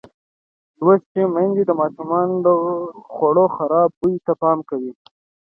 لوستې میندې د ماشومانو د خوړو خراب بوی ته پام کوي.